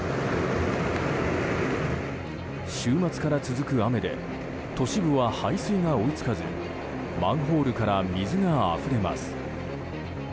週末から続く雨で都市部は排水が追いつかずマンホールから水があふれます。